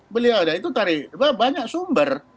beliau ada itu banyak sumber